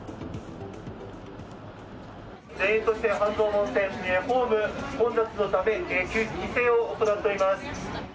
田園都市線、半蔵門線、ホーム混雑のため、規制を行っております。